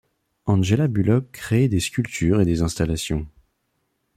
Angela Bulloch crée des sculptures et des installations.